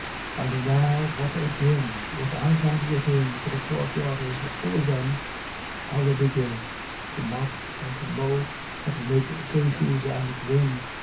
And now what a din Without and within! For the courtyard is full of them. How they begin To mop, and to mowe, and to make faces, and grin!